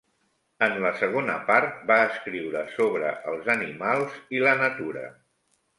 En la segona part, va escriure sobre els animals i la natura.